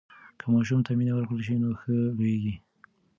که ماشوم ته مینه ورکړل سي نو ښه لویېږي.